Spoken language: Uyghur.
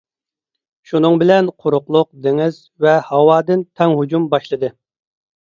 شۇنىڭ بىلەن، قۇرۇقلۇق، دېڭىز ۋە ھاۋادىن تەڭ ھۇجۇم باشلىدى.